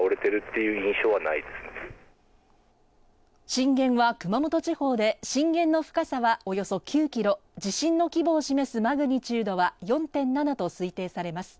震源は熊本地方で震源の深さはおよそ９８ｋｍ、地震の規模を示すマグニチュードは４．７と推定されます。